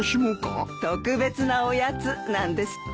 特別なおやつなんですって。